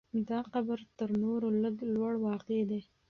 دا قبر تر نورو لږ لوړ واقع دی.